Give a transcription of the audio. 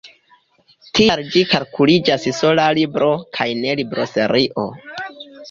Tial ĝi kalkuliĝas sola libro kaj ne libroserio.